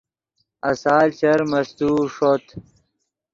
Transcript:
آسال چر مستوؤ ݰوت